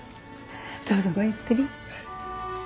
どうぞごゆっくり。